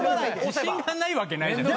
自信がないわけないじゃない。